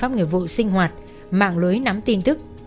cảnh sát nghiệp vụ sinh hoạt mạng lưới nắm tin thức